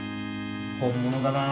本物だなぁ。